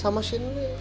sama si neng